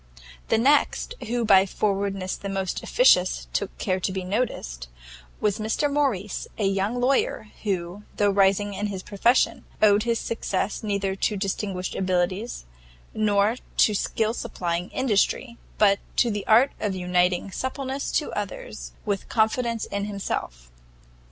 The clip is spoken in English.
The next who by forwardness the most officious took care to be noticed, was Mr Morrice, a young lawyer, who, though rising in his profession, owed his success neither to distinguished abilities, nor to skill supplying industry, but to the art of uniting suppleness to others with confidence in himself.